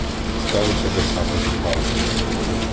Сталося те саме і з Галею.